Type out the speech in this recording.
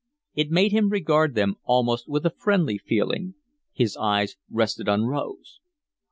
It made him regard them almost with a friendly feeling. His eyes rested on Rose.